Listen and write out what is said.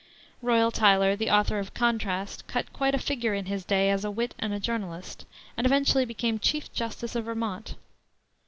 Royal Tyler, the author of the Contrast, cut quite a figure in his day as a wit and journalist, and eventually became Chief Justice of Vermont.